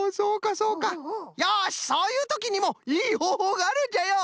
よしそういうときにもいいほうほうがあるんじゃよ！